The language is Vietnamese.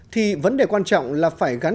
thì vấn đề quan trọng là phải gắn